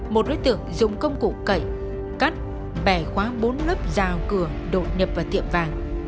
một đối tượng dùng công cụ cậy cắt bẻ khóa bốn lớp rào cửa đột nhập vào tiệm vàng